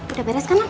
udah beres kan nam